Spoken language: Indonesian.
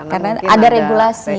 karena ada regulasi